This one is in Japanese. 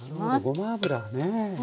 ごま油ね。